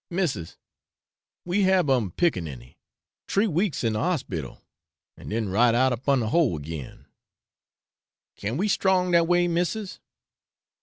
'Missis, we hab um piccaninny tree weeks in de ospital, and den right out upon the hoe again can we strong dat way, missis?